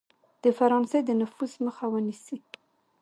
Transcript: د فرانسې د نفوذ مخه ونیسي.